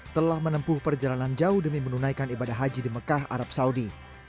telah menempuh perjalanan jauh demi menunaikan ibadah haji di mekah arab saudi